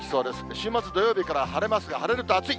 週末、土曜日から晴れますが、晴れると暑い。